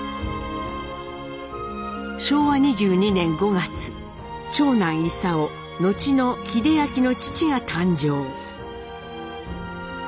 昭和２２年５月長男勲後の英明の父が誕生。